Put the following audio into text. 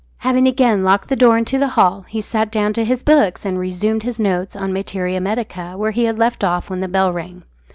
Having again locked the door into the hall, he sat down to his books and resumed his notes on materia medica where he had left off when the bell rang.